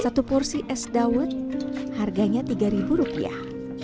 satu porsi es dawet harganya tiga ribu rupiah